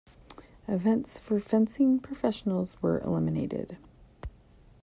Events for fencing professionals were eliminated.